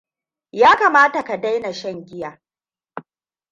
Ya kamata ka daina shan giya.